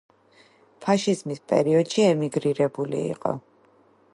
ფაშიზმის პერიოდში ემიგრირებული იყო.